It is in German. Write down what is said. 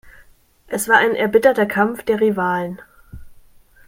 Es war ein erbitterter Kampf der Rivalen.